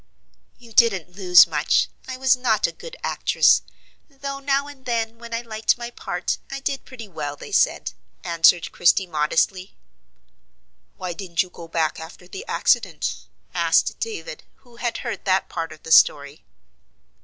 "You didn't lose much: I was not a good actress; though now and then when I liked my part I did pretty well they said," answered Christie, modestly. "Why didn't you go back after the accident?" asked David, who had heard that part of the story.